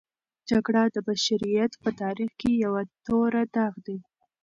جګړه د بشریت په تاریخ کې یوه توره داغ دی.